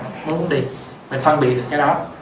mới muốn đi mình phân biệt được cái đó